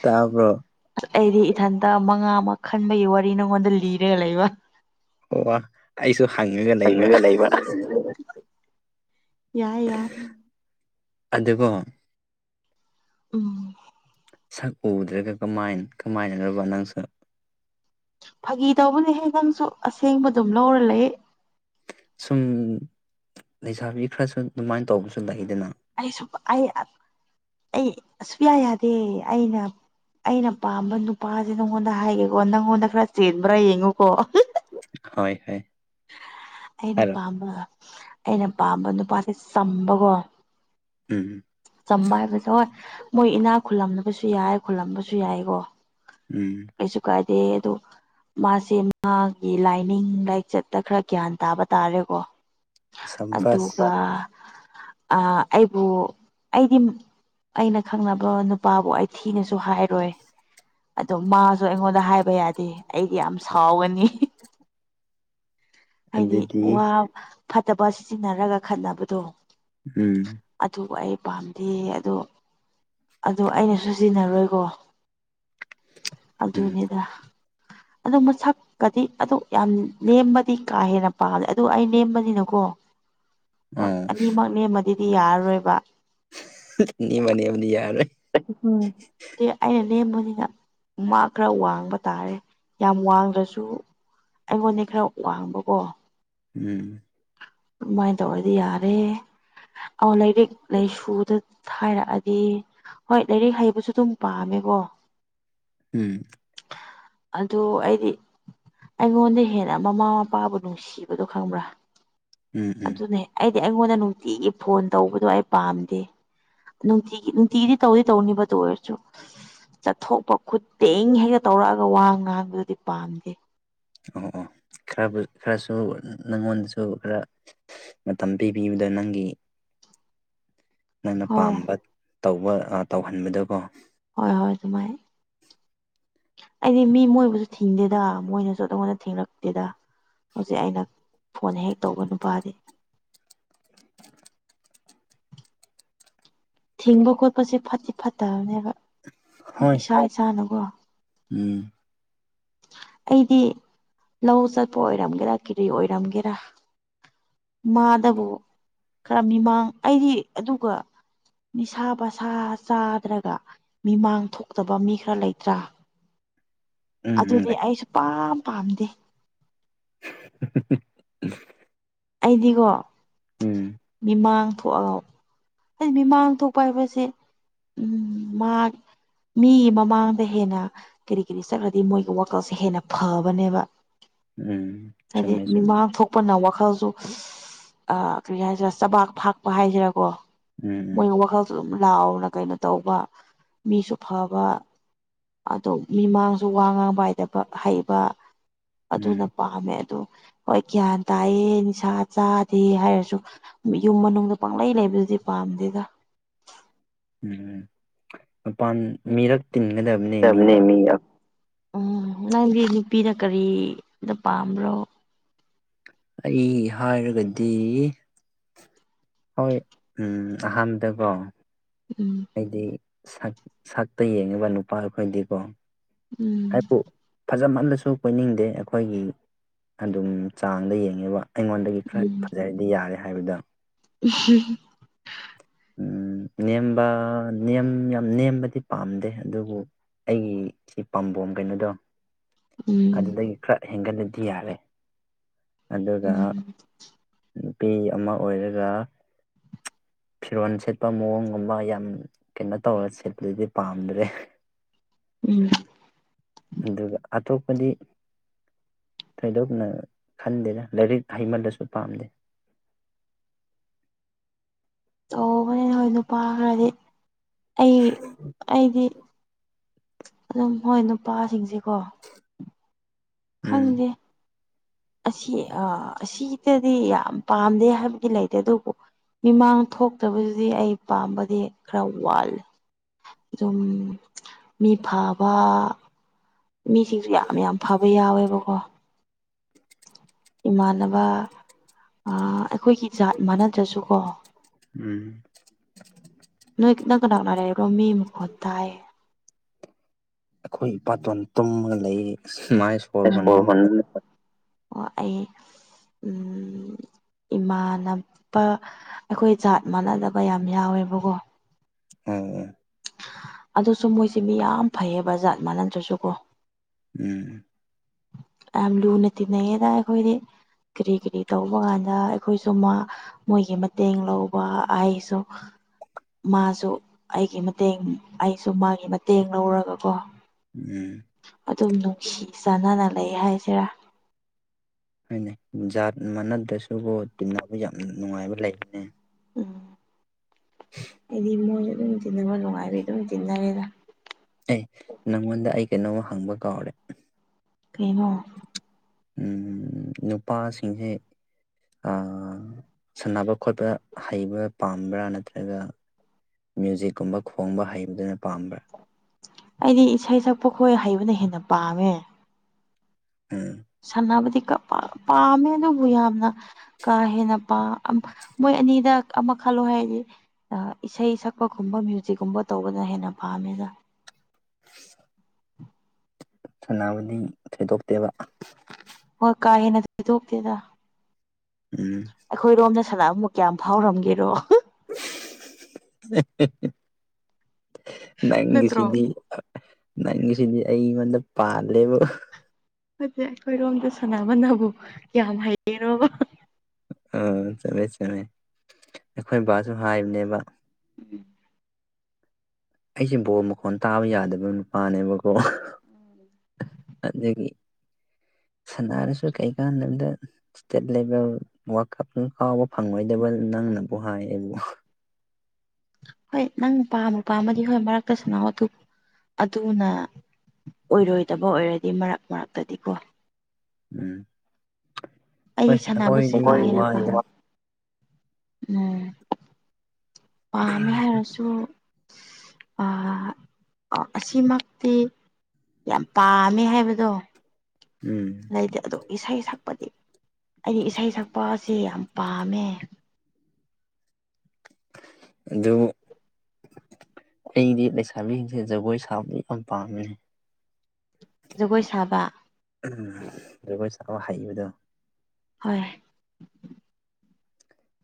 ꯇꯥꯕ꯭ꯔꯣ ꯑꯩꯗꯤ ꯏꯊꯟ ꯇ ꯃꯉꯥ ꯑꯃ ꯈꯟꯕꯒꯤ ꯋꯥꯔꯤ ꯅꯪꯉꯣꯟꯗ ꯂꯤꯔꯒ ꯂꯩꯕ ꯑꯣ ꯋꯥ ꯑꯩꯁꯨ ꯍꯪꯉꯒ ꯂꯩꯕ [unintelligible] ꯌꯥꯏ ꯌꯥꯏ ꯑꯗꯨꯀꯣ ꯎꯝ ꯁꯛ ꯎꯗ꯭ꯔꯒ ꯀꯃꯥꯏ ꯀꯃꯥꯏꯅꯅꯣꯕ ꯅꯪꯁꯨ ꯐꯥꯒꯤ ꯇꯧꯕꯅꯦꯍꯦ ꯅꯪꯁꯨ ꯑꯁꯦꯡꯕ ꯑꯗꯨꯝ ꯂꯧꯔ ꯂꯩꯌꯦ ꯁꯨꯝ ꯂꯩꯁꯥꯕꯤ ꯈꯔꯁꯨ ꯑꯗꯨꯃꯥꯏꯅ ꯇꯧꯕꯁꯨ ꯂꯩꯗꯅ ꯑꯩꯁꯨ ꯑꯩ ꯑꯩꯁꯨꯨꯌꯥ ꯌꯥꯗꯦ ꯑꯩꯅ ꯑꯩꯅ ꯄꯥꯝꯕ ꯅꯨꯄꯥꯁꯦ ꯅꯪꯉꯣꯟꯗ ꯍꯥꯏꯒꯦꯀꯣ ꯅꯪꯉꯣꯟꯗ ꯈꯔ ꯆꯦꯟꯕ꯭ꯔꯥ ꯌꯦꯡꯉꯨꯀꯣ ꯍꯣꯏ ꯍꯣꯏ ꯑꯩꯅ ꯍꯥꯏꯔꯣ ꯄꯥꯝꯕ ꯑꯩꯅ ꯄꯥꯝꯕ ꯅꯨꯄꯥꯁꯦ ꯆꯝꯕꯀꯣ ꯎꯝ ꯆꯝꯕ ꯍꯥꯏꯕꯗꯣ ꯍꯣꯏ ꯃꯣꯏ ꯏꯅꯥꯛ ꯈꯨꯜꯂꯝꯕꯁꯨ ꯌꯥꯏ ꯈꯨꯜꯂꯝꯕꯁꯨ ꯌꯥꯏꯀꯣ ꯎꯝ ꯀꯩꯁꯨ ꯀꯥꯏꯗꯦ ꯑꯗꯣ ꯃꯥꯁꯦ ꯃꯥꯒꯤ ꯂꯥꯏꯅꯤꯡ ꯂꯥꯏꯆꯠꯇ ꯈꯔ ꯒ꯭ꯌꯥꯟ ꯇꯥꯕ ꯇꯥꯔꯦꯀꯣ ꯁꯝꯕꯥꯁ ꯑꯗꯨꯒ ꯑꯩꯕꯨ ꯑꯩꯗꯤ ꯑꯩꯅ ꯈꯪꯅꯕ ꯅꯨꯄꯥꯕꯨ ꯑꯩ ꯊꯤꯅꯁꯨ ꯍꯥꯏꯔꯣꯏ [inaudible] ꯑꯗꯣ ꯃꯥꯁꯨ ꯑꯩꯉꯣꯟꯗ ꯍꯥꯏꯕ ꯌꯥꯗꯦ ꯑꯩꯗꯤ ꯌꯥꯝ ꯁꯥꯎꯒꯅꯤ ꯍꯥꯏꯗꯤ ꯑꯗꯨꯗꯤ ꯋꯥ ꯐꯠꯇꯕ ꯁꯤꯖꯤꯟꯅꯔꯒ ꯈꯠꯅꯕꯗꯣ ꯎꯝ ꯑꯗꯨꯕꯨ ꯑꯩ ꯄꯥꯝꯗꯤꯌꯦ ꯑꯗꯣ ꯑꯗꯨ ꯑꯩꯅꯁꯨ ꯁꯤꯖꯤꯟꯅꯔꯣꯏꯀꯣ ꯎꯝ ꯑꯗꯨꯅꯤꯗ ꯑꯗꯨ ꯃꯁꯛ ꯀꯗꯤ ꯑꯗꯨ ꯌꯥꯝ ꯅꯦꯝꯃꯗꯤ ꯀꯥ ꯍꯦꯟꯅ ꯄꯥꯝꯂꯦ ꯑꯗꯨ ꯑꯩ ꯅꯦꯝꯕꯅꯤꯅꯀꯣ ꯍꯣꯏ ꯑꯣ ꯑꯅꯤꯃꯛꯅꯦꯝꯃꯗꯤꯗꯤ ꯌꯥꯔꯔꯣꯏꯕ ꯅꯤꯡꯃꯅꯤ ꯌꯥꯝꯅꯤ ꯌꯥꯔꯦ ꯎꯝ ꯗꯦ ꯑꯩꯅ ꯅꯦꯝꯕꯅꯤꯅ ꯃꯥ ꯈꯔ ꯋꯥꯡꯕ ꯇꯥꯔꯦ ꯌꯥꯝ ꯋꯥꯡꯗ꯭ꯔꯁꯨ ꯑꯩꯉꯣꯟꯗꯩ ꯈꯔ ꯋꯥꯡꯕꯀꯣ [unintelligible] ꯑꯗꯨꯃꯥꯏꯅ ꯇꯧꯔꯗꯤ ꯌꯥꯔꯦ ꯑ ꯂꯥꯏꯔꯤꯛ ꯂꯥꯏꯁꯨꯗ ꯍꯥꯏꯔꯛꯑꯗꯤ ꯍꯣꯏ ꯂꯥꯏꯔꯤꯛ ꯍꯩꯕꯁꯨ ꯑꯗꯨꯝ ꯄꯥꯝꯃꯦꯒꯣ ꯎꯝ ꯑꯗꯣ ꯑꯩꯗꯤ ꯑꯩꯉꯣꯟꯗꯩ ꯍꯦꯟꯅ ꯃꯃꯥ ꯃꯄꯥꯕꯨ ꯅꯨꯡꯁꯤꯕꯗꯣ ꯈꯪꯕ꯭ꯔꯥ ꯎꯝ ꯎꯝ ꯑꯗꯨꯅꯦ ꯑꯩꯗꯤ ꯑꯩꯉꯣꯟꯗ ꯅꯨꯡꯇꯤꯒꯤ ꯐꯣꯟ ꯇꯧꯕꯗꯣ ꯑꯩ ꯄꯥꯝꯗꯦ ꯅꯨꯡꯇꯤꯒꯤ ꯅꯨꯡꯇꯤꯒꯤꯗꯤ ꯇꯧꯗꯤ ꯇꯧꯅꯤꯕ ꯗꯨ ꯑꯣꯏꯔꯁꯨ ꯆꯠꯊꯣꯛꯄ ꯈꯨꯠꯇꯦꯡ ꯍꯦꯛꯒ ꯇꯧꯔꯛꯑꯒ ꯋꯥ ꯉꯥꯡꯕꯗꯨꯗꯤ ꯄꯥꯝꯗꯦ ꯑꯣ ꯑꯣ ꯈꯔ ꯈꯔꯁꯨ ꯅꯪꯉꯣꯟꯗꯁꯨ ꯈꯔ ꯃꯇꯝ ꯄꯤꯕꯤꯌꯨꯗ ꯅꯪꯒꯤ ꯅꯪꯅ ꯍꯣꯏ ꯄꯥꯝꯕ ꯇꯧꯕ ꯑ ꯇꯧꯍꯟꯕꯗꯀꯣ ꯍꯣꯏ ꯍꯣꯏ ꯑꯗꯨꯃꯥꯏ ꯑꯩꯗꯤ ꯃꯤ ꯃꯣꯏꯕꯨꯁꯨ ꯊꯤꯡꯗꯦꯗ ꯃꯣꯏꯅꯁꯨ ꯑꯉꯣꯟꯗ ꯊꯤꯡꯔꯛꯇꯦꯗ ꯍꯧꯖꯤꯛ ꯑꯩꯅ ꯐꯣꯟ ꯍꯦꯛ ꯇꯧꯕ ꯅꯨꯄꯥꯗꯤ ꯊꯤꯡꯕ ꯈꯣꯠꯄꯁꯦ ꯐꯠꯇꯤ ꯐꯠꯇꯕꯅꯦꯕ ꯍꯣꯏ ꯏꯁꯥ ꯏꯁꯥꯅꯀꯣ ꯎꯝ ꯑꯩꯗꯤ ꯂꯧ ꯆꯠꯄ ꯑꯣꯏꯔꯝꯒꯦꯔ ꯀꯦꯔꯤ ꯑꯣꯏꯔꯝꯒꯦꯔꯥ ꯃꯥꯗꯕꯨ ꯈꯔ ꯃꯤꯃꯥꯡ ꯑꯩꯗꯤ ꯑꯗꯨꯒ ꯅꯤꯁꯥ ꯄꯁꯥ ꯆꯥꯗ꯭ꯔꯒ ꯃꯤꯃꯥꯡ ꯊꯣꯛꯇꯕ ꯃꯤ ꯈꯔ ꯂꯩꯇ꯭ꯔꯥ ꯎꯝ ꯎꯝ ꯑꯗꯨꯗꯤ ꯑꯩ ꯁꯨꯄꯥꯝ ꯄꯥꯝꯗꯦ [unintelligible] ꯑꯩꯗꯤꯀꯣ ꯎꯝ ꯃꯤꯃꯥꯡ ꯊꯣꯛꯑꯒ ꯍꯣꯏ ꯃꯤꯃꯥꯡ ꯊꯣꯛꯄ ꯍꯥꯏꯕꯁꯦ ꯎꯝ ꯃꯥ ꯃꯤꯒꯤ ꯃꯃꯥꯡꯗ ꯍꯦꯟꯅ ꯀꯔꯤ ꯀꯔꯤ ꯆꯠꯂꯗꯤ ꯃꯣꯏꯒꯤ ꯋꯥꯈꯜꯁꯦ ꯍꯦꯟꯅ ꯐꯕꯅꯦꯕ ꯎꯝ ꯍꯥꯏꯗꯤ ꯆꯨꯝꯃꯦ ꯆꯨꯝꯃꯦ ꯃꯤꯃꯥꯡ ꯊꯣꯛ ꯄꯨꯟꯅ ꯋꯥꯈꯜꯖꯨ ꯑ ꯀꯔꯤ ꯍꯥꯏꯖꯤꯔꯥ ꯆꯕꯥꯛ ꯐꯥꯛꯄ ꯍꯥꯏꯖꯤꯔꯀꯣ ꯎꯝ ꯃꯣꯏꯅ ꯋꯥꯈꯜꯁꯨ ꯑꯗꯨꯝ ꯂꯥꯎꯅ ꯀꯩꯅꯣ ꯇꯧꯕ ꯃꯤꯁꯨ ꯐꯕ ꯑꯣꯗꯣ ꯃꯤꯃꯥꯁꯨ ꯋꯥ ꯉꯥꯡꯕ ꯍꯥꯏꯗꯕ ꯍꯩꯕ ꯎꯝ ꯑꯗꯨꯅ ꯎꯝ ꯄ ꯄꯥꯝꯃꯦ ꯑꯗꯨ ꯍꯣꯏ ꯒ꯭ꯌꯥꯟ ꯇꯥꯏꯌꯦ ꯅꯤꯁꯥ ꯆꯥꯗꯦ ꯍꯥꯏꯔꯁꯨ ꯌꯨꯝ ꯃꯅꯨꯡꯗ ꯄꯪꯂꯩ ꯂꯩꯕꯗꯨꯗꯤ ꯄꯥꯝꯗꯦꯗ ꯎꯝ ꯃꯄꯥꯟ ꯃꯤꯔꯛ ꯇꯤꯟꯒꯗꯕ ꯎꯝ ꯅꯪꯗꯤ ꯅꯨꯄꯤꯗ ꯀꯔꯤꯗ ꯄꯥꯝꯕ꯭ꯔꯣ ꯑꯩ ꯍꯥꯏꯔꯒꯗꯤ ꯍꯣꯏ ꯎꯝ ꯑꯍꯥꯟꯕꯗꯀꯣ ꯎꯝ ꯑꯩꯗꯤ ꯁꯛ ꯁꯛꯇ ꯌꯦꯡꯉꯕ ꯅꯨꯄꯥ ꯑꯩꯈꯣꯏꯗꯤꯀꯣ ꯎꯝ ꯍꯥꯏꯕꯨꯨ ꯐꯖꯃꯜꯂꯁꯨ ꯀꯣꯏꯅꯤꯡꯗꯦ ꯑꯩꯈꯣꯏꯒꯤ ꯑꯗꯨꯝ ꯆꯥꯡꯗ ꯌꯦꯡꯉꯦꯕ ꯑꯩꯉꯣꯟꯗꯒꯤ ꯈꯔ ꯐꯖꯔꯗꯤ ꯌꯥꯔꯦ ꯍꯥꯏꯕꯗꯣ ꯑꯨꯝꯍꯨꯝ ꯎꯝ ꯅꯦꯝꯕ ꯅꯦꯝ ꯌꯥꯝ ꯅꯦꯝꯕꯗꯤ ꯄꯥꯝꯗꯦ ꯑꯗꯨꯕꯨ ꯑꯩꯒꯤ ꯁꯤ ꯄꯥꯝꯕꯣꯝ ꯀꯩꯅꯣꯗꯣ ꯎꯝ ꯑꯗꯨꯗꯒꯤ ꯈꯔ ꯍꯦꯟꯒꯠꯂꯗꯤ ꯌꯥꯔꯦ ꯑꯗꯨꯒ ꯎꯝ ꯅꯨꯄꯤ ꯑꯃ ꯑꯣꯏꯔꯒ ꯐꯤꯔꯣꯟ ꯁꯦꯠꯄ ꯃꯑꯣꯡꯒꯨꯝꯕ ꯌꯥꯝ ꯀꯩꯅꯣ ꯇꯧꯔꯒ ꯁꯦꯠꯄꯗꯨꯗꯤ ꯄꯥꯝꯗ꯭ꯔꯦ ꯎꯝ ꯑꯗꯨꯒ ꯑꯇꯣꯞꯄꯗꯤ ꯊꯣꯏꯗꯣꯛꯅ ꯈꯟꯗꯦꯗ ꯂꯥꯏꯔꯤꯛ ꯍꯩꯃꯜꯂꯁꯨ ꯄꯥꯝꯗꯦ ꯇꯧꯕꯅꯤ ꯅꯣꯏ ꯅꯨꯄꯥ ꯈꯔꯗꯤ ꯑꯩ ꯑꯩꯗꯤ ꯑꯗꯨꯝ ꯍꯣꯏ ꯅꯨꯄꯥꯁꯤꯡꯁꯦꯀꯣ ꯎꯝ ꯈꯪꯗꯦ ꯑꯁꯤ ꯑꯁꯤꯗꯗꯤ ꯌꯥꯝ ꯄꯥꯝꯗꯦ ꯍꯥꯏꯕꯗꯤ ꯂꯩꯇꯦ ꯑꯗꯨꯕꯨ ꯃꯤꯃꯥꯡ ꯊꯣꯛꯇꯕꯗꯨꯗꯤ ꯑꯩ ꯄꯥꯝꯕꯗꯤ ꯈꯔ ꯋꯥꯠꯂꯦ ꯑꯗꯨꯝ ꯃꯤ ꯐꯕꯥ ꯃꯤꯁꯤꯡꯁꯨ ꯌꯥꯝ ꯌꯥꯝ ꯐꯕ ꯌꯥꯎꯋꯦꯕꯀꯣ ꯏꯃꯥꯟꯅꯕ ꯑ ꯑꯩꯈꯣꯏꯒꯤ ꯖꯥꯠ ꯃꯥꯟꯅꯗ꯭ꯔꯁꯨ ꯀꯣ ꯎꯝ ꯅꯣꯏ ꯅꯪ ꯀꯅꯥꯅ ꯂꯩꯕꯅꯣ ꯃꯤ ꯃꯈꯣꯟ ꯇꯥꯏ ꯑꯩꯈꯣꯏ ꯏꯄꯥꯇꯣꯟ ꯇꯨꯝꯃꯒ ꯂꯩ ꯁꯨꯃꯥꯏꯅ ꯁꯣꯔꯍꯣꯟꯕ ꯃꯈꯣꯜ ꯎꯝ ꯏꯃꯥꯟꯅꯕ ꯑꯩꯈꯣꯏ ꯖꯥꯠ ꯃꯥꯟꯅꯗꯕ ꯌꯥꯝ ꯌꯥꯎꯋꯦꯕꯀꯣ ꯑꯝ ꯑꯗꯨꯁꯨ ꯃꯣꯏꯁꯦ ꯃꯤ ꯌꯥꯝ ꯐꯩꯌꯦꯕ ꯖꯥꯠ ꯃꯥꯟꯅꯗ꯭ꯔꯁꯨ ꯀꯣ ꯎꯝ ꯌꯥꯝ ꯂꯨꯅ ꯇꯤꯟꯅꯩꯌꯦꯗꯥ ꯑꯩꯈꯣꯏꯗꯤ ꯀꯔꯤ ꯀꯔꯤ ꯇꯧꯕ ꯀꯥꯟꯗ ꯑꯩꯈꯣꯏꯁꯨ ꯃꯣꯏꯒꯤ ꯃꯇꯦꯡ ꯂꯧꯕ ꯑꯩꯁꯨ ꯃꯥꯁꯨ ꯒꯤ ꯃꯇꯦꯡ ꯑꯩꯁꯨ ꯃꯥꯒꯤ ꯃꯇꯦꯡ ꯂꯧꯔꯒꯀꯣ ꯎꯝ ꯑꯗꯨꯝ ꯅꯨꯡꯁꯤ ꯆꯥꯟꯅꯅ ꯂꯩ ꯍꯥꯏꯁꯦꯔꯥ ꯍꯣꯏꯅꯦ ꯖꯥꯠ ꯃꯥꯟꯅꯗ꯭ꯔꯁꯨ ꯇꯤꯟꯅꯕ ꯌꯥꯝ ꯅꯨꯡꯉꯥꯏꯕ ꯂꯩꯕꯅꯦ ꯎꯝ ꯑꯩꯗꯤ ꯃꯣꯏꯁꯨ ꯑꯗꯨꯝ ꯇꯤꯟꯅꯕ ꯅꯨꯡꯉꯥꯏꯕꯩ ꯑꯗꯨꯝ ꯇꯤꯟꯅꯔꯦꯗ ꯑꯦ ꯅꯪꯉꯣꯟꯗ ꯑꯩ ꯀꯩꯅꯣꯝꯃ ꯍꯪꯕ ꯀꯥꯎꯔꯦ ꯀꯩꯅꯣ ꯎꯝ ꯅꯨꯄꯥꯁꯤꯡꯁꯦ ꯑ ꯁꯥꯟꯅꯕ ꯈꯣꯠꯄ ꯍꯩꯕ ꯄꯥꯝꯕ꯭ꯔꯥ ꯅꯠꯇ꯭ꯔꯒ ꯃ꯭ꯌꯨꯖꯤꯛꯀꯨꯝꯕ ꯈꯣꯡꯕ ꯍꯩꯕꯗꯨꯅ ꯄꯥꯝꯕ꯭ꯔꯥ ꯑꯩꯗꯤ ꯏꯁꯩ ꯁꯛꯄ ꯈꯣꯏ ꯍꯩꯕꯅ ꯍꯦꯟꯅ ꯄꯥꯝꯃꯦ ꯎꯝ ꯁꯥꯟꯅꯕꯗꯤ ꯄꯥꯝꯃꯦ ꯑꯗꯨꯕꯨ ꯌꯥꯝꯅ ꯀꯥ ꯍꯦꯟꯅ ꯄꯥꯝꯕ ꯃꯣꯏ ꯑꯅꯤꯗ ꯑꯃꯈꯛ ꯈꯜꯂꯣ ꯍꯥꯏꯔꯗꯤ ꯑ ꯏꯁꯩ ꯁꯛꯄꯒꯨꯝꯕ ꯃ꯭ꯌꯨꯖꯤꯛꯀꯨꯝꯕ ꯇꯧꯕꯗ ꯍꯦꯟꯅ ꯄꯥꯝꯃꯦꯗ [unintelligible] [inaudible] ꯁꯥꯟꯅꯕꯗꯤ ꯊꯣꯏꯗꯣꯛꯇꯦꯕ ꯍꯣꯏ ꯀꯥ ꯍꯦꯟꯅ ꯊꯣꯏꯗꯣꯛꯇꯦꯗ ꯎꯝ ꯑꯩꯈꯣꯏꯔꯣꯝꯗ ꯁꯅꯥꯕꯕꯨ ꯀꯌꯥꯝ ꯐꯥꯎꯔꯝꯒꯦꯔꯣ ꯍꯦ ꯍꯦ ꯍꯦ ꯅꯠꯇ꯭ꯔꯣ ꯅꯪꯒꯤꯁꯤꯗꯤ ꯅꯪꯒꯤꯁꯤꯗꯤ ꯑꯩꯉꯣꯟꯗ ꯄꯥꯜꯂꯦꯕꯣ ꯅꯠꯇꯦ ꯑꯩꯈꯣꯏꯔꯣꯝꯗ ꯁꯅꯥꯃꯟꯅꯕꯨ ꯌꯥꯝ ꯍꯩꯒꯦꯔꯣꯕ ꯎꯝ ꯆꯠꯃꯦ ꯆꯨꯝꯃꯦ ꯑꯩꯈꯣꯏ ꯕꯥꯁꯨ ꯍꯥꯏꯕꯅꯦꯕ ꯎꯝ ꯑꯩꯁꯦ ꯕꯣꯜ ꯃꯈꯣꯟ ꯇꯥꯕ ꯌꯥꯗꯕ ꯅꯨꯄꯥꯅꯦꯕꯀꯣ ꯑꯗꯨꯒꯤ ꯁꯅꯥꯔꯁꯨ ꯀꯩꯀꯥꯟꯗꯝꯗ ꯏꯁꯇꯦꯠ ꯂꯦꯚꯦꯜ ꯋꯥꯔꯗꯀꯞ ꯀꯥꯎꯕ ꯐꯪꯂꯉꯣꯏꯗꯕ ꯅꯪꯅꯕꯨ ꯍꯥꯏ ꯑꯩꯕꯨ ꯍꯣꯏ ꯅꯪ ꯄꯥꯝꯕꯨ ꯄꯥꯝꯃꯗꯤ ꯍꯣꯏ ꯃꯔꯛꯇ ꯁꯅꯥꯎ ꯑꯗꯨ ꯑꯗꯨꯅ ꯑꯣꯏꯔꯣꯏꯗꯕ ꯑꯣꯏꯔꯗꯤ ꯃꯔꯛ ꯃꯔꯛꯇꯗꯤ ꯀꯣ ꯎꯝ ꯍꯣꯏ ꯑꯩꯗꯤ ꯁꯥꯟꯅꯕꯁꯦ ꯑꯩꯈꯣꯏꯗꯤ ꯀꯥ ꯍꯦꯟꯅ ꯄꯥꯝꯃꯦ ꯋꯥꯏꯗ ꯎꯝ ꯑ ꯑꯃ ꯍꯥꯏꯔꯁꯨ ꯑ ꯑꯣ ꯑꯁꯤꯃꯛꯇꯤ ꯌꯥꯝ ꯄꯥꯝꯃꯦ ꯍꯥꯏꯕꯗꯣ ꯎꯝ ꯂꯩꯇꯦ ꯑꯗꯣ ꯏꯁꯩ ꯁꯛꯄꯗꯤ ꯑꯩꯗꯤ ꯏꯁꯩ ꯁꯛꯄ ꯑꯁꯤ ꯌꯥꯝ ꯄꯥꯝꯃꯦ ꯑꯗꯨ ꯑꯩꯗꯤ ꯂꯩꯁꯥꯕꯤꯁꯤꯡꯁꯦ ꯖꯒꯣꯏ ꯁꯥꯕꯗꯤ ꯌꯥꯝ ꯄꯥꯝꯃꯤ ꯖꯒꯣꯏ ꯁꯥꯕ ꯖꯒꯣꯏ ꯁꯥꯥꯛꯈꯕ ꯍꯩꯏꯕꯗꯣ ꯍꯣꯏ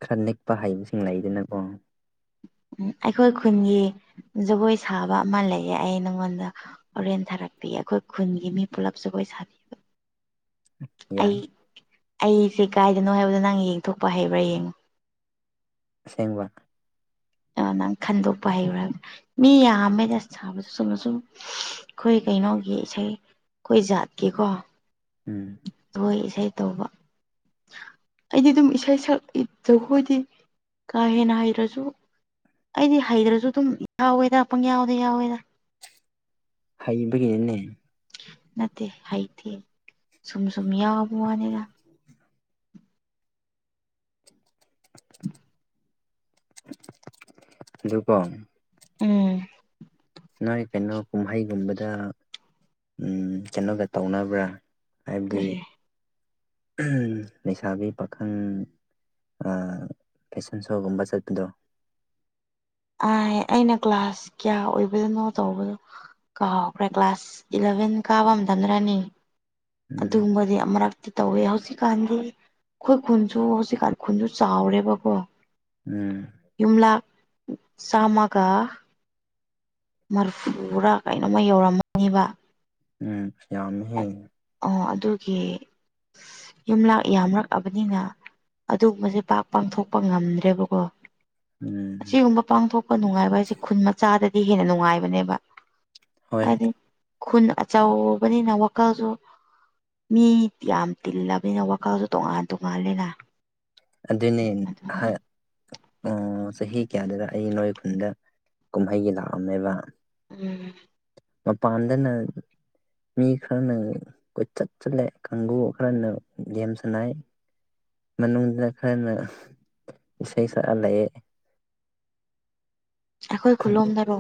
ꯈꯔ ꯅꯦꯛꯄ ꯍꯩꯕꯁꯤꯡ ꯂꯩꯗꯅꯀꯣ ꯎꯝ ꯑꯩꯈꯣꯏ ꯈꯨꯟꯒꯤ ꯖꯒꯣꯏ ꯁꯥꯕ ꯑꯃ ꯂꯩꯌꯦ ꯑꯩ ꯅꯪꯉꯣꯟꯗ ꯍꯣꯔꯦꯟ ꯊꯥꯔꯛꯄꯤ ꯑꯩꯈꯣꯏ ꯈꯨꯟꯒꯤ ꯃꯤ ꯄꯨꯂꯞ ꯖꯒꯣꯏ ꯁꯥꯕꯤꯌꯨ [inaudible] ꯑꯩ ꯌꯥꯏ ꯑꯩꯁꯦ ꯀꯥꯏꯗꯅꯣ ꯍꯥꯏꯕꯗꯣ ꯅꯪ ꯌꯦꯡꯊꯣꯛꯄ ꯍꯩꯕ꯭ꯔꯥ ꯌꯦꯡꯉꯣ ꯁꯦꯡꯕ ꯑ ꯅꯪ ꯈꯟꯗꯣꯛꯄ ꯍꯩꯔꯨꯔꯒ ꯃꯤ ꯌꯥꯝꯃꯦꯗꯁ ꯁꯥꯕꯗ ꯁꯨꯝꯅ ꯁꯨꯝ ꯑꯩꯈꯣꯏ ꯀꯩꯅꯣꯒꯤ ꯏꯁꯩ ꯑꯩꯈꯣꯏ ꯖꯥꯠꯀꯤꯀꯣ ꯎꯝ ꯍꯣꯏ ꯏꯁꯩ ꯇꯧꯕ ꯑꯩꯗꯤ ꯑꯗꯨꯝ ꯏꯁꯩ ꯁꯛ ꯖꯈꯣꯏꯗꯤ ꯀꯥ ꯍꯦꯟꯅ ꯍꯩꯔꯁꯨ ꯑꯩꯗꯤ ꯍꯩꯗ꯭ꯔꯁꯨ ꯑꯗꯨꯝ ꯌꯥꯎꯋꯦꯗ ꯑ ꯄꯪ ꯌꯥꯎꯋꯗ ꯌꯥꯎꯋꯦꯗ ꯍꯩꯕꯒꯤꯅꯦ ꯅꯠꯇꯦ ꯍꯩꯇꯦ ꯁꯨꯝ ꯁꯨꯝ ꯌꯥꯎꯕ ꯋꯥꯅꯤꯅ ꯀꯝ ꯎꯝ ꯅꯣꯏ ꯀꯩꯅꯣ ꯀꯨꯝꯍꯩꯒꯨꯝꯕꯗ ꯀꯩꯅꯣꯒ ꯇꯧꯅꯕ꯭ꯔꯥ ꯍꯥꯏꯕꯗꯤ ꯀꯔꯤ ꯂꯩꯁꯥꯕꯤ ꯄꯥꯈꯪ ꯐꯦꯁꯟ ꯁꯣꯒꯨꯝꯕ ꯆꯠꯄꯗꯣ ꯑ ꯑꯩꯅ ꯀ꯭ꯂꯥꯁ ꯀꯌꯥ ꯑꯣꯏꯕꯗꯅꯣ ꯇꯧꯕꯗꯣ ꯀꯥꯎꯍꯈ꯭ꯔꯦ ꯀ꯭ꯂꯥꯁ ꯏꯂꯚꯦꯟ ꯀꯥꯕ ꯑꯃ ꯊꯝꯗ꯭ꯔꯅꯤ ꯎꯝ ꯑꯗꯨꯒꯨꯝꯕꯗꯤ ꯑꯃꯨꯔꯛ ꯤ ꯇꯧꯋꯦ ꯍꯧꯖꯤꯛꯀꯥꯟꯗꯤ ꯑꯩꯈꯣꯏ ꯈꯨꯟꯁꯨ ꯍꯧꯖꯤꯛꯀꯥꯟ ꯈꯨꯟꯁꯨ ꯆꯥꯎꯔꯦꯕꯀꯣ ꯎꯝ ꯌꯨꯝꯂ ꯁꯝꯒ ꯃꯔꯐꯨꯨꯔꯥ ꯀꯩꯅꯣꯝꯃ ꯌꯧꯔꯝꯃꯅꯤꯕ ꯎꯝ ꯌꯥꯝ ꯍꯦ ꯑꯣ ꯑꯗꯨꯒꯤ ꯌꯨꯝ ꯂꯥꯛ ꯌꯥꯝꯔꯛꯑꯕꯅꯤꯅ ꯑꯗꯨꯒꯨꯝꯕꯁꯦ ꯄꯥꯛ ꯄꯥꯡꯊꯣꯛꯄ ꯉꯝꯗ꯭ꯔꯦꯕꯀꯣ ꯎꯝ ꯑꯁꯤꯒꯨꯝꯕ ꯄꯥꯡꯊꯣꯛꯄ ꯅꯨꯡꯉꯥꯏꯕ ꯍꯥꯏꯁꯦ ꯈꯨꯟ ꯃꯆꯥꯗꯗꯤ ꯍꯦꯟꯅ ꯅꯨꯡꯉꯥꯏꯕꯅꯦꯕ ꯍꯣꯏ ꯍꯥꯏꯗꯤ ꯈꯨꯟ ꯑꯆꯥꯎꯕꯅꯤ ꯩꯅ ꯋꯥꯈꯜꯁꯨ ꯃꯤ ꯌꯥꯝ ꯇꯤꯜꯂꯕꯅꯤꯅ ꯋꯥꯈꯜꯁꯨ ꯇꯣꯉꯥꯟ ꯇꯣꯉꯥꯂꯅ ꯑꯗꯨꯅꯦ ꯑꯣ ꯆꯍꯤ ꯀꯌꯥꯗꯨꯗ ꯑꯩ ꯅꯣꯏ ꯈꯨꯟꯗ ꯀꯨꯝꯍꯩꯒꯤ ꯂꯥꯛꯑꯝꯃꯦꯕ ꯎꯝ ꯃꯄꯥꯟꯗꯅ ꯃꯤ ꯈꯔꯅ ꯀꯣꯏꯆꯠ ꯆꯠꯂꯦ ꯀꯥꯡꯕꯨꯨ ꯈꯔꯅ ꯌꯥꯝꯦꯝ ꯁꯥꯟꯅ ꯃꯅꯨꯡꯅ ꯈꯔꯅ ꯏꯁꯩ ꯁꯛꯍꯂꯑꯦ ꯑꯩꯈꯣꯏ ꯈꯨꯂꯣꯝꯗꯔꯣ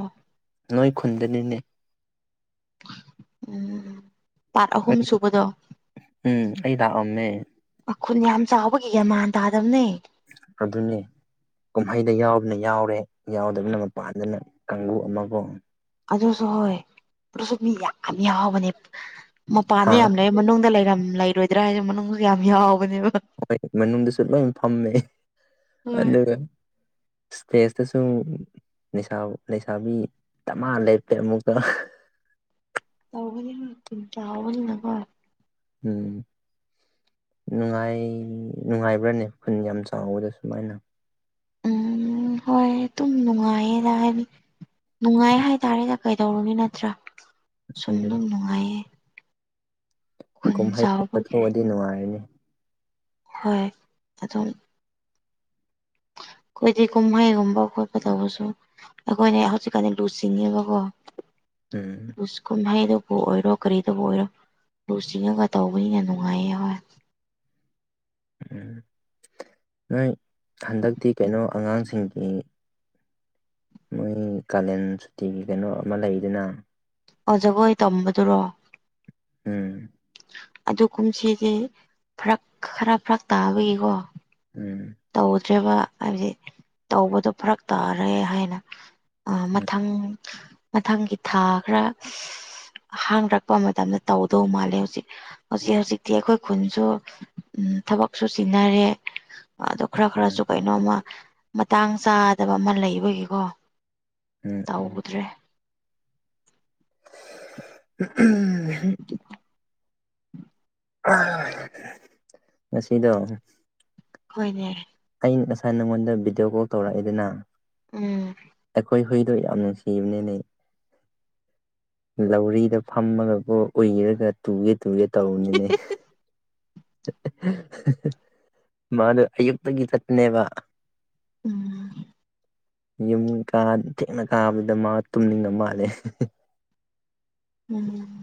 ꯅꯣꯏ ꯈꯨꯟꯗꯅꯤꯅꯦ ꯎꯝ ꯄꯥꯠ ꯑꯍꯨꯝ ꯑꯩ ꯁꯨꯕꯗꯣ ꯎꯝ ꯑꯩ ꯂꯥꯛꯑꯝꯃꯦ ꯃꯈꯨꯟ ꯌꯥꯝ ꯆꯥꯎꯕꯒꯤꯒ ꯃꯥꯟ ꯇꯥꯗꯕꯅꯦ ꯑ ꯑꯗꯨꯅꯤ ꯀꯨꯝꯍꯩꯗ ꯌꯥꯎꯕꯅ ꯌꯥꯎꯔꯦ ꯌꯥꯎꯗꯕꯅ ꯃꯄꯥꯟꯗꯅ ꯀꯥꯡꯕꯨ ꯑꯃꯒ ꯑꯗꯨꯁꯨ ꯍꯣꯏ ꯑꯗꯨꯁꯨ ꯃꯤ ꯌꯥꯝ ꯌꯥꯎꯕꯅꯦ ꯍꯥ ꯃꯄꯥꯟꯗ ꯌꯥꯝ ꯂꯩ ꯃꯅꯨꯡꯗ ꯂꯩꯔꯝ ꯂꯩꯔꯣꯏꯗ꯭ꯔꯥ ꯍꯥꯏꯁꯦ ꯃꯅꯨꯡꯗ ꯌꯥꯝ ꯌꯥꯎꯕꯅꯦꯕ ꯍꯣꯏ ꯃꯅꯨꯡꯗꯁꯨ ꯂꯣꯏ ꯐꯝꯃꯦ ꯍꯣꯏ ꯑꯗꯨꯒ ꯏꯁꯇꯦꯖꯇꯁꯨ ꯂꯩꯁꯥꯕꯤ ꯇꯅ ꯂꯩꯞꯄꯦ ꯑꯃꯨꯛꯀ ꯇꯧꯕꯅꯤ ꯍꯣꯏ ꯀꯟ ꯇꯕꯅꯤꯅ ꯍꯣꯏ ꯎꯟ ꯅꯨꯡꯉꯥꯏ ꯅꯨꯡꯉꯥꯏꯕ꯭ꯔꯥꯅꯦ ꯈꯨꯟ ꯌꯥꯝ ꯆꯥꯎꯕꯗ ꯁꯨꯃꯥꯏꯅ ꯎꯝ ꯍꯣꯏ ꯑꯗꯨꯝ ꯅꯨꯡꯉꯥꯏꯌꯦꯗ ꯍꯥꯏꯅꯤ ꯅꯨꯡꯉꯥꯏ ꯍꯥꯏꯇꯥꯔꯦ ꯀꯩꯗꯧꯔꯨꯅꯤ ꯅꯠꯇ꯭ꯔꯥ ꯁꯨꯝ ꯑꯗꯨꯅꯤ ꯑꯗꯨꯝ ꯅꯨꯡꯉꯥꯏꯌꯦ ꯈꯨꯟ ꯆꯥꯎꯕꯒꯤ ꯀꯨꯝꯍꯩꯊꯑꯗꯤ ꯅꯨꯡꯉꯥꯏꯔꯅꯤ ꯍꯣꯏ ꯑꯗꯨꯝ ꯑꯩꯈꯣꯏꯗꯤ ꯀꯨꯝꯍꯩꯒꯨꯝꯕ ꯈꯣꯠꯄ ꯇꯧꯕꯁꯨ ꯑꯩꯈꯣꯏꯅꯦ ꯍꯧꯖꯤꯛꯀꯥꯟꯗꯤ ꯂꯨ ꯉꯦꯕꯀꯣ ꯎꯝ ꯀꯨꯝꯍꯩꯗꯨꯕꯨ ꯑꯣꯏꯔꯣ ꯀꯔꯤꯗꯕꯨ ꯑꯣꯏꯔꯣ ꯂꯨ ꯆꯤꯡꯉꯒ ꯇꯧꯕꯅꯤꯅ ꯅꯨꯡꯉꯥꯏꯌꯦ ꯍꯣꯏ ꯎꯝ ꯅꯣꯏ ꯍꯟꯗꯛꯇꯤ ꯀꯩꯅꯣ ꯑꯉꯥꯡꯁꯤꯡꯒꯤ ꯃꯣꯏ ꯀꯥꯂꯦꯟ ꯁꯨꯇꯤꯒꯤ ꯀꯩꯅꯣ ꯑꯃ ꯂꯩꯗꯨꯅ ꯑꯣ ꯖꯒꯣꯏ ꯇꯝꯕꯗꯨꯔꯣ ꯎꯝ ꯑꯗꯨ ꯀꯨꯝꯁꯤꯗꯤ ꯐꯔꯛ ꯈꯔ ꯐꯔꯛ ꯇꯥꯕꯒꯤꯀꯣ ꯎꯝ ꯇꯧꯗ꯭ꯔꯦꯔꯤꯕ ꯍꯥꯏꯕꯗꯤ ꯇꯧꯕꯗꯣ ꯐꯔꯛ ꯇꯥꯔꯦ ꯍꯥꯏꯅ ꯎꯝ ꯃꯊꯪ ꯃꯊꯪꯒꯤ ꯊꯥ ꯈꯔ ꯍꯥꯡꯔꯛꯄ ꯃꯇꯝꯗ ꯇꯧꯗꯧ ꯃꯥꯜꯂꯦ ꯍꯧꯖꯤꯛ ꯍꯧꯖꯤꯛ ꯍꯧꯖꯤꯛꯇꯤ ꯑꯩꯈꯣꯏ ꯈꯨꯟꯁꯨ ꯎ ꯊꯕꯛꯁꯨ ꯁꯤꯟꯅꯔꯦ ꯑꯗꯨ ꯈꯔ ꯈꯔꯁꯨ ꯀꯩꯅꯣꯝꯃ ꯃꯇꯥꯡ ꯆꯥꯗꯕ ꯑꯃ ꯂꯩꯕꯒꯤꯀꯣ ꯎꯝ ꯎꯝ ꯇꯧꯗ꯭ꯔꯦ ꯎꯝ ꯉꯗꯣ ꯍꯣꯏꯅꯦ ꯑ ꯉꯁꯥꯏ ꯅꯉꯣꯟꯗ ꯚꯤꯗꯤꯑꯣ ꯀꯣꯜ ꯇꯧꯔꯛꯏꯗꯅ ꯎꯝ ꯑꯩꯈꯣꯏ ꯐꯩꯗꯣ ꯌꯥꯝ ꯅꯨꯡꯁꯤꯕꯅꯦ ꯂꯩ ꯂꯧꯔꯤꯗ ꯐꯝꯃꯒꯕꯨ ꯑꯣꯏꯔꯒ ꯇꯨꯒꯦ ꯇꯨꯒꯦ ꯇꯧꯔꯅꯤꯅꯦ ꯃꯥꯅ ꯑꯌꯨꯛꯇꯒꯤ ꯆꯠꯅꯦꯕ ꯎꯝ ꯌꯨꯝ ꯀ ꯊꯦꯛꯅ ꯀꯥꯕꯗ ꯃꯥ ꯇꯨꯝꯅꯤꯡꯕ ꯃꯥꯜꯂꯦ ꯎꯝ